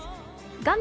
画面